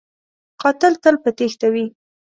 قاتل تل په تیښته وي